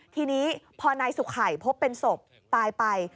ทีนี้พอนายสุขัยพบเป็นศพตายไป